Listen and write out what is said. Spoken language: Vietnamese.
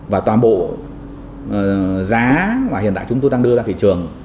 và toàn bộ giá mà hiện tại chúng tôi đang đưa ra thị trường